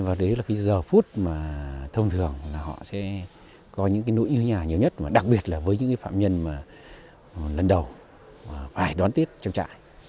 và đấy là cái giờ phút mà thông thường là họ sẽ có những cái nỗi như nhà nhiều nhất đặc biệt là với những cái phạm nhân mà lần đầu phải đón tết trong trại